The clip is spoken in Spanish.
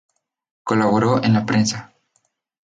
Colaboró en la prensa.